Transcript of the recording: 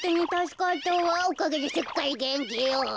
おかげですっかりげんきよ。